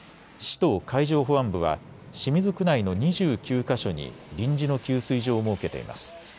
市と海上保安部は清水区内の２９か所に臨時の給水所を設けています。